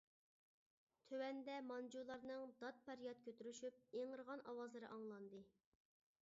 تۆۋەندە مانجۇلارنىڭ داد-پەرياد كۆتۈرۈشۈپ، ئىڭرىغان، ئاۋازلىرى ئاڭلاندى.